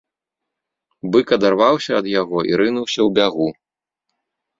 Бык адарваўся ад яго і рынуўся ў бягу.